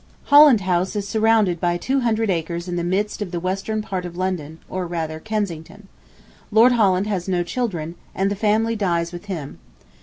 Holland House is surrounded by 200 acres in the midst of the western part of London, or rather Kensington. Lord Holland has no children, and the family dies with him.